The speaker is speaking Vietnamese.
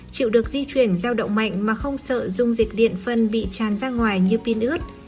chịu được di chuyển giao động mạnh mà không sợ dung dịch điện phân bị tràn ra ngoài như pin ướt